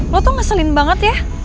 lo tuh ngeselin banget ya